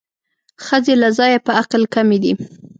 ښځې له ځایه په عقل کمې دي